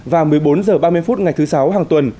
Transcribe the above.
và một mươi bốn h ba mươi phút ngày thứ sáu hàng tuần